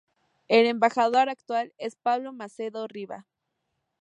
El embajador actual es Pablo Macedo Riba.